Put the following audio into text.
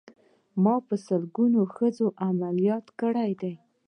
ما په سلګونو ښځې عمليات کړې دي.